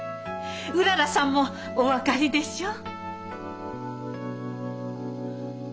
うららさんもお分かりでしょう？